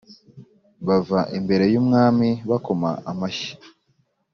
bava imbere yumwami bakoma amashyi